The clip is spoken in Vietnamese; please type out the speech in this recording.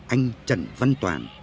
anh trần văn toàn